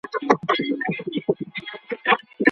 حکومت د بنديانو ازادولو ته پاملرنه کوي.